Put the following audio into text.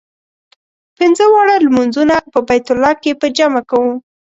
پنځه واړه لمونځونه په بیت الله کې په جمع کوو.